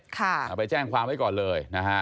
เอาไปแจ้งความไว้ก่อนเลยนะฮะ